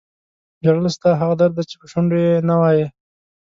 ژړل ستا هغه درد دی چې په شونډو یې نه وایې.